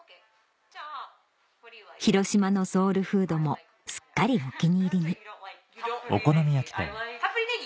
広島のソウルフードもすっかりお気に入りにたっぷりネギ？